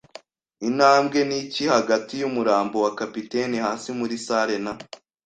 Intambwe; niki hagati yumurambo wa capitaine hasi muri salle na